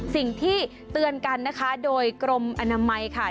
สิ่งที่เตือนกันนะคะโดยกรมอนามัยค่ะ